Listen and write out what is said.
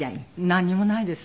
なんにもないです